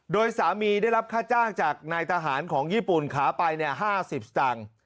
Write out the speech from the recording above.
โดยสามีได้รับค่าจ้างจากนายทหารของญี่ปุ่นขาไป๕๐สตางค์